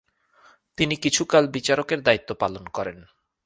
তিনি কিছুকাল বিচারকের দায়িত্ব পালন করেন।